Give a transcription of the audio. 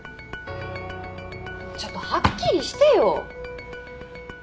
ちょっとはっきりしてよ！